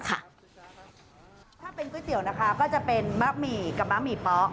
ถ้าเป็นก๋วยเตี๋ยวนะคะก็จะเป็นมะหมี่กับมะหมี่เป๊ะ